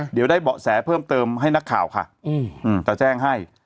เดี๋ยวได้เบาะแสเพิ่มเติมให้นักข่าวค่ะจะแจ้งให้